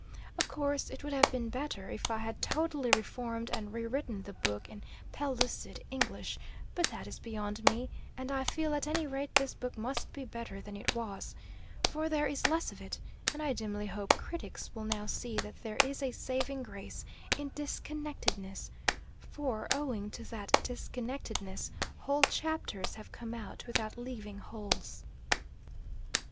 Of course it would have been better if I had totally reformed and rewritten the book in pellucid English; but that is beyond me, and I feel at any rate this book must be better than it was, for there is less of it; and I dimly hope critics will now see that there is a saving grace in disconnectedness, for owing to that disconnectedness whole chapters have come out without leaving holes.